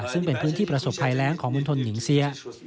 ซึ่งเป็นพื้นที่ประสบภัยแรงของมณฑลหญิงเสีย